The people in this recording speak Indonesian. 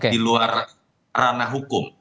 di luar ranah hukum